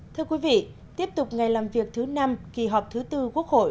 thưa quý vị tiếp tục ngày làm việc thứ năm kỳ họp thứ tư quốc hội